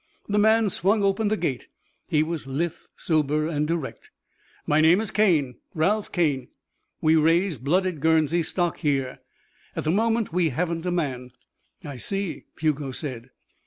The man swung open the gate; he was lithe, sober, direct. "My name is Cane Ralph Cane. We raise blooded Guernsey stock here. At the moment we haven't a man." "I see," Hugo said.